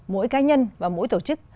mỗi cá nhân và mỗi tổ chức